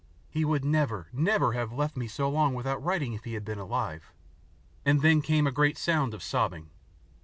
He would never, never have left me so long without writing if he had been alive," and then came a great sound of sobbing.